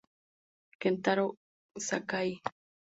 Kentaro Sakai